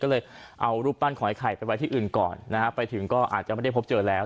ก็เลยเอารูปปั้นขอไอไข่ไปไว้ที่อื่นก่อนนะฮะไปถึงก็อาจจะไม่ได้พบเจอแล้ว